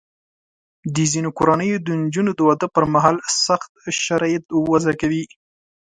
د ځینو کورنیو د نجونو د واده پر مهال سخت شرایط وضع کوي.